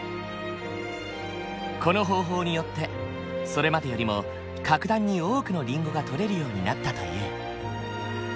この方法によってそれまでよりも格段に多くのりんごが取れるようになったという。